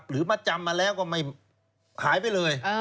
หรือมาจำมาแล้วก็ไม่หายไปเลย